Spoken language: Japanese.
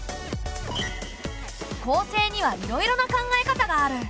公正にはいろいろな考え方がある。